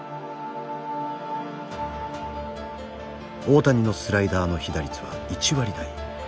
大谷のスライダーの被打率は１割台。